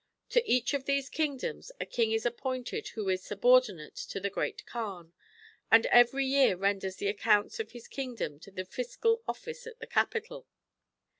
To each of these kingdoms a king is appointed who is subordinate to the Great Kaan, and every year renders the accounts of his kingdom to the fiscal office at the capital.